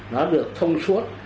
nó được thông suốt